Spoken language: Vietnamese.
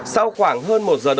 sau khoảng hơn một giờ đồng hồ